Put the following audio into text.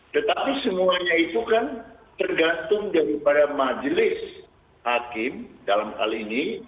tetapi semuanya itu kan tergantung daripada majelis hakim dalam hal ini